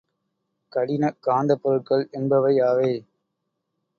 கடினக் காந்தப் பொருள்கள் என்பவை யாவை?